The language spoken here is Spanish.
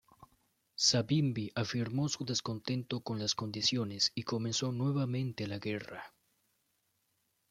Savimbi afirmó su descontento con las condiciones y comenzó nuevamente la guerra.